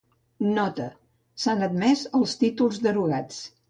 "Nota: S'han omès els títols derogats".